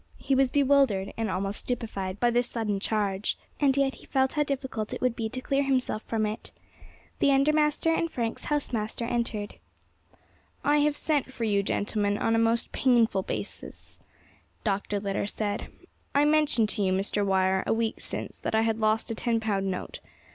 He was bewildered, and almost stupefied by this sudden charge, and yet he felt how difficult it would be to clear himself from it. The under master and Frank's house master entered. "I have sent for you, gentlemen, on a most painful business," Dr. Litter said. "I mentioned to you, Mr. Wire, a week since, that I had lost a ten pound note.